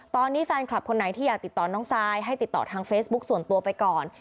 ตอนนี้แฟนคลับคนไหนที่อยากติดต่อน้องซายให้ติดต่อทางเฟซบุ๊คส่วนตัวไปก่อน